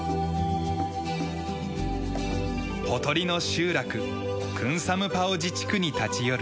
ほとりの集落クンサムパオ自治区に立ち寄る。